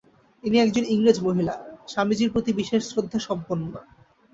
ইনি একজন ইংরেজ মহিলা, স্বামীজীর প্রতি বিশেষ শ্রদ্ধাসম্পন্না।